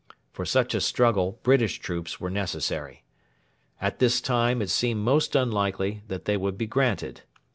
For such a struggle British troops were necessary. At this time it seemed most unlikely that they would be granted.